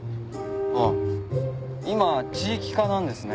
ああ今地域課なんですね。